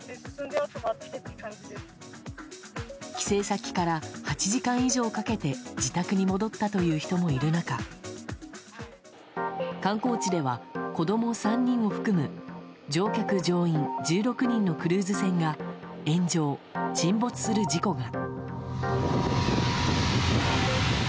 帰省先から８時間以上かけて自宅に戻ったという人もいる中観光地では、子供３人を含む乗客・乗員１６人のクルーズ船が炎上沈没する事故が。